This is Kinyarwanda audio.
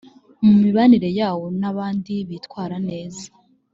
mu mibanire yawo n abandi bitwara neza.